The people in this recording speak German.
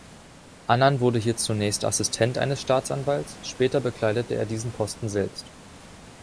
Annan wurde hier zunächst Assistent eines Staatsanwalts, später bekleidete er diesen Posten selbst.